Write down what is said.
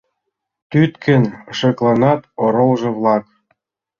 Тӱткын шекланат оролжо-влак